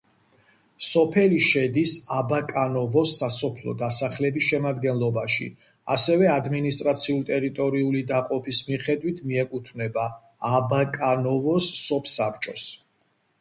სოფელი შედის აბაკანოვოს სასოფლო დასახლების შემადგენლობაში, ასევე ადმინისტრაციულ-ტერიტორიული დაყოფის მიხედვით მიეკუთვნება აბაკანოვოს სოფსაბჭოს.